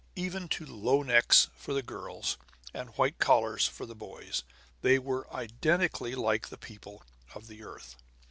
Even to "low necks" for the girls and white collars for the boys, they were identically like people of the earth.